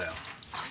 あっ